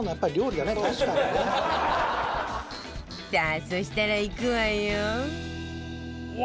さあそしたらいくわよ